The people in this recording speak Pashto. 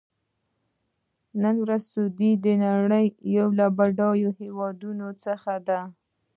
نن ورځ سعودي د نړۍ یو له بډایه هېوادونو څخه دی.